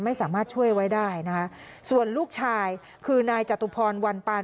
ไม่สามารถช่วยไว้ได้นะคะส่วนลูกชายคือนายจตุพรวันปาน